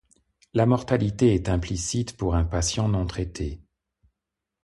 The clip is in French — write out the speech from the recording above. La mortalité est implicite pour un patient non traité.